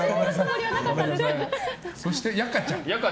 そして、やかちゃん。